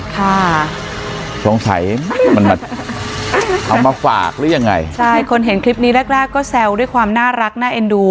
ค่ะสงสัยมันมาเอามาฝากหรือยังไงใช่คนเห็นคลิปนี้แรกแรกก็แซวด้วยความน่ารักน่าเอ็นดู